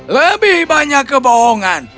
lebih banyak kebohongan